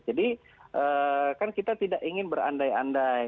jadi kan kita tidak ingin berandai andai